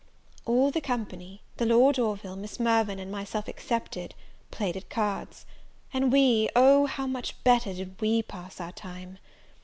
All the company the, Lord Orville, Miss Mirvan, and myself excepted, played at cards; and we oh, how much better did we pass our time!